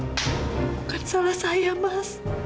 bukan salah saya mas